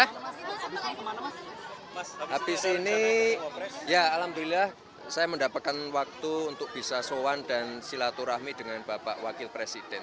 habis ini ya alhamdulillah saya mendapatkan waktu untuk bisa soan dan silaturahmi dengan bapak wakil presiden